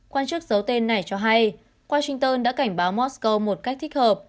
quan chức giấu tên này cho hay washington đã cảnh báo mosco một cách thích hợp